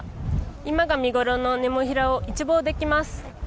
今が見ごろのネモフィラを一望できます。